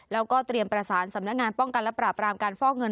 แล้วก็เตรียมประสานสำนักงานป้องกันและปราบรามการฟอกเงิน